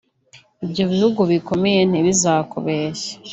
ibyo bihugu bikomeye ntibizakubeshye